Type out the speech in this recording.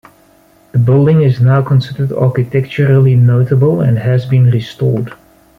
The building is now considered architecturally notable, and has been restored.